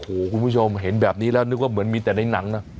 โอ้โหคุณผู้ชมเห็นแบบนี้แล้วนึกว่าเหมือนมีแต่ในหนังนะ